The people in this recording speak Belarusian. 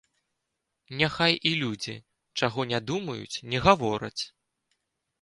Няхай і людзі чаго не думаюць, не гавораць.